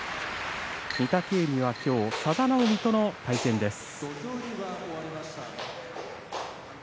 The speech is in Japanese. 御嶽海は今日佐田の海との対戦です。